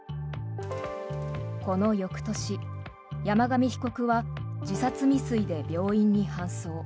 この翌年、山上被告は自殺未遂で病院に搬送。